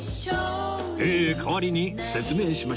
えー代わりに説明しましょう